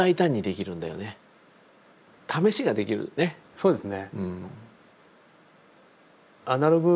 そうですね。